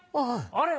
あれ？